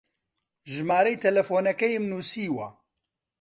ژمارەی تەلەفۆنەکەیم نووسیوە.